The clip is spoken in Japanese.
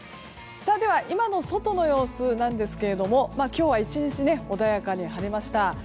では、今の外の様子なんですけれども今日は１日穏やかに晴れました。